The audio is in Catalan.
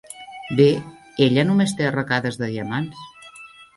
Bé, ella només té arracades de diamants.